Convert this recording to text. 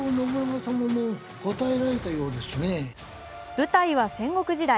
舞台は戦国時代。